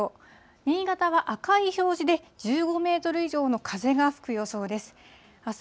新潟は赤い表示で１５メートル以上の風が吹く予想です。